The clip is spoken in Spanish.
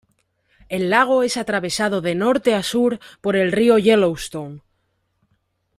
El lago es atravesado de norte a sur por el río Yellowstone.